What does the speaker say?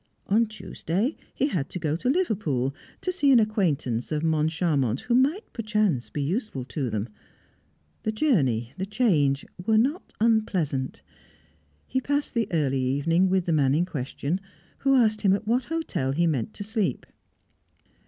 On Tuesday he had to go to Liverpool, to see an acquaintance of Moncharmont who might perchance be useful to them. The journey, the change, were not unpleasant. He passed the early evening with the man in question, who asked him at what hotel he meant to sleep.